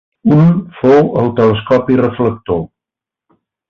Un fou el telescopi reflector.